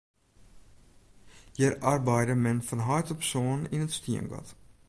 Hjir arbeide men fan heit op soan yn it stiengat.